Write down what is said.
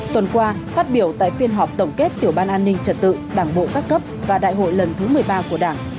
tuần qua phát biểu tại phiên họp tổng kết tiểu ban an ninh trật tự đảng bộ các cấp và đại hội lần thứ một mươi ba của đảng